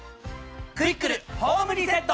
クイックルホームリセット！